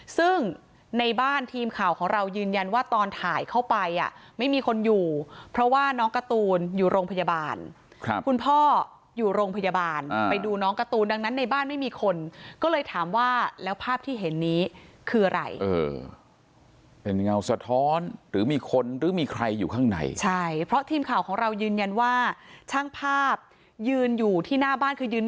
ซึ่งในบ้านทีมข่าวของเรายืนยันว่าตอนถ่ายเข้าไปอ่ะไม่มีคนอยู่เพราะว่าน้องการ์ตูนอยู่โรงพยาบาลคุณพ่ออยู่โรงพยาบาลไปดูน้องการ์ตูนดังนั้นในบ้านไม่มีคนก็เลยถามว่าแล้วภาพที่เห็นนี้คืออะไรเป็นเงาสะท้อนหรือมีคนหรือมีใครอยู่ข้างในใช่เพราะทีมข่าวของเรายืนยันว่าช่างภาพยืนอยู่ที่หน้าบ้านคือยืน